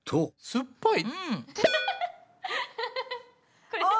酸っぱい。